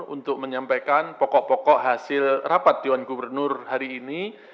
untuk menyampaikan pokok pokok hasil rapat dewan gubernur hari ini